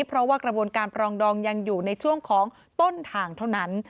เพราะว่ากระบวนการปรองดองยังอยู่ในช่วงของต้นทางเท่านั้น